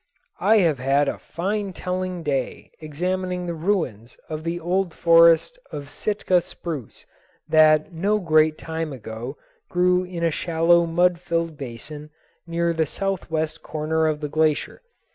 I have had a fine telling day examining the ruins of the old forest of Sitka spruce that no great time ago grew in a shallow mud filled basin near the southwest corner of the glacier.